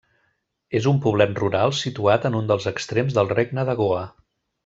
És un poblet rural situat en un dels extrems del Regne de Goa.